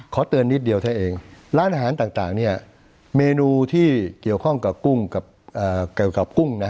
ขอเตือนนิดเดียวให้เองร้านอาหารต่างเนี่ยเมนูที่เกี่ยวข้องกับกุ้ง